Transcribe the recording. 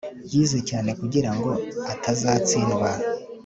yize cyane kugirango atazatsindwa